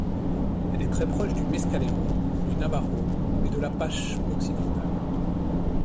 Elle est très proche du mescalero, du navajo et de l'apache occidental.